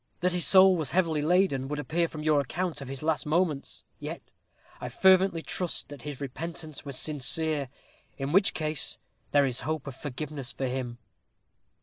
That his soul was heavily laden, would appear from your account of his last moments; yet I fervently trust that his repentance was sincere, in which case there is hope of forgiveness for him.